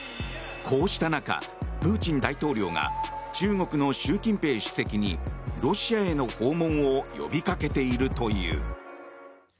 こうした中、プーチン大統領が中国の習近平主席にロシアへの訪問を呼びかけているという。